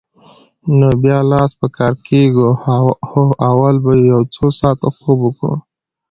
نو بیا لاس په کار کېږو؟ هو، اول به یو څو ساعته خوب وکړو.